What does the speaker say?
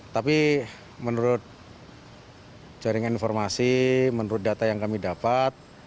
tapi menurut jaringan informasi menurut data yang kami dapat